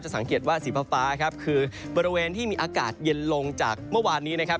สังเกตว่าสีฟ้าครับคือบริเวณที่มีอากาศเย็นลงจากเมื่อวานนี้นะครับ